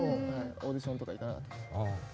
オーディションとか行かなかったです。